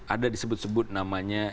ada disebut sebut namanya